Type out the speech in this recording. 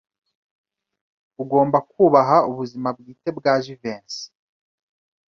Ugomba kubaha ubuzima bwite bwa Jivency.